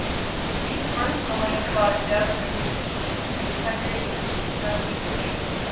The first coins were released into circulation the next day.